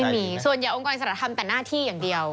ไม่มีส่วนใหญ่องค์กรอิสระทำแต่หน้าที่อย่างเดียว